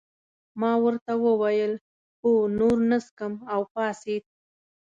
ما ورته وویل هو نور نه څښم او پاڅېد.